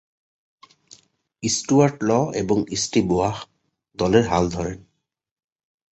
Stewart Law এবং Steve Waugh দলের হাল ধরেন।